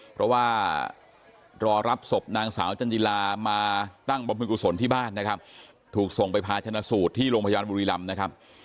เพราะว่ารอรับศพนางสาวจันจิลามาตั้งบำเพ็ญกุศลที่บ้านนะครับถูกส่งไปพาชนะสูตรที่โรงพยาบาลบุรีรำนะครับ